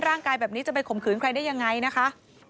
ร่างกายแบบนี้จะไปข่มขืนใครได้ยังไงนะคะ